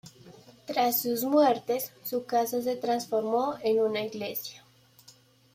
Tras sus muertes, su casa se transformó en una iglesia.